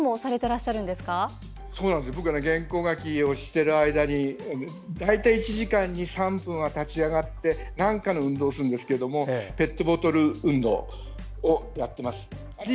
僕、原稿書きをしている間に大体１時間に３分は立ち上がってなんかの運動をするんですけどペットボトル運動をやってます。